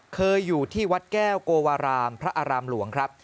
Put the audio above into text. เคยอยู่ที่วัดแก้วโกวารามพระอารามหลวงครับ